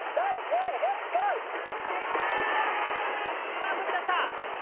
さあ飛び立った！